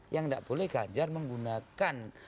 yang tidak boleh ganjar menggunakan